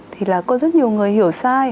thì là có rất nhiều người hiểu sai